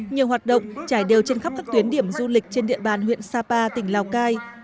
nhiều hoạt động trải đều trên khắp các tuyến điểm du lịch trên địa bàn huyện sapa tỉnh lào cai